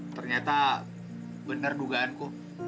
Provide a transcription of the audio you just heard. ternyata bener dugaanku